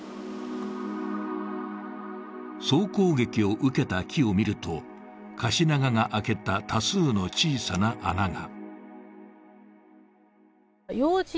総攻撃を受けた木を見ると、カシナガが開けた多数の小さな穴が。